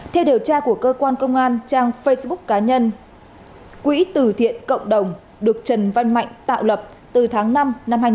theo điều tra của cơ quan công an trang facebook cá nhân quỹ tử thiện cộng đồng được trần văn mạnh tạo lập từ tháng năm năm hai nghìn hai mươi ba